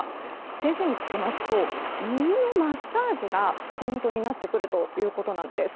先生に聞きますと耳のマッサージがポイントになるということです。